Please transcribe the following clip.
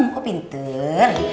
om kok pintar